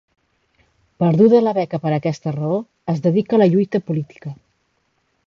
Perduda la beca per aquesta raó, es dedica a la lluita política.